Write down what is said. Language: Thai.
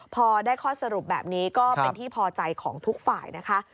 พอได้ข้อสรุปแบบนี้ก็เป็นที่พอใจของทุกฝ่ายนะคะ